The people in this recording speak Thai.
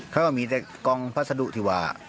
เขาก็มีแต่กองพัสดุที่ว่า